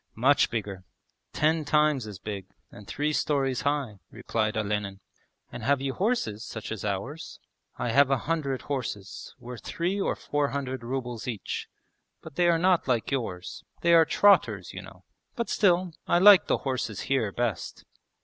'Much bigger; ten times as big and three storeys high,' replied Olenin. 'And have you horses such as ours?' 'I have a hundred horses, worth three or four hundred rubles each, but they are not like yours. They are trotters, you know.... But still, I like the horses here best.'